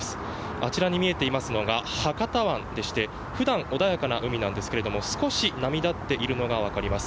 あちらに見えていますのが博多湾でしてふだん、穏やかな海なんですけれども、少し波立っているのが分かります。